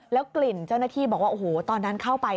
กลิ่นเจ้าหน้าที่บอกว่าโอ้โหตอนนั้นเข้าไป